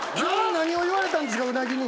何を言われたんですかうなぎに。